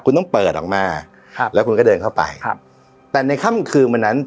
คุณต้องเปิดออกมาครับแล้วคุณก็เดินเข้าไปครับแต่ในค่ำคืนวันนั้น